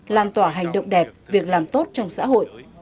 lan tỏa hành động đẹp việc làm tốt trong xã hội